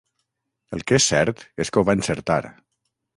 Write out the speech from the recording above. El que és cert és que ho va encertar.